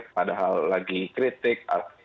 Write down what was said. padahal lagi kritik